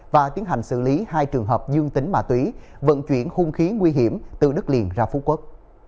và tiến hành xử lý hai trường hợp dương tính mạng túy vận chuyển hung khí nguy hiểm từ đất liền ra phú quốc